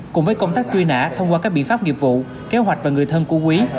cùng với công tác truy nã thông qua các biện pháp nghiệp vụ kế hoạch và người thân của quý